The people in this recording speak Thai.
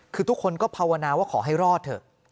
คือทุกคนก็ภาวนาว่าขอให้รอดเถอะ